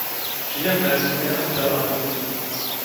Žije v Berlíně a v Tel Avivu.